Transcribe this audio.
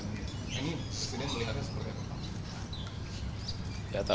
ini presiden melihatnya seperti apa pak